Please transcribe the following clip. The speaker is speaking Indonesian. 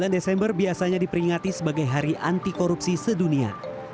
sembilan desember biasanya diperingati sebagai hari anti korupsi sedunia